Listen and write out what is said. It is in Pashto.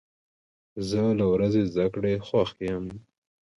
زه له ورځې زده کړې خوښ یم.